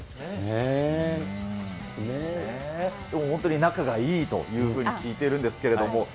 本当に仲がいいというふうに聞いているんですけれども。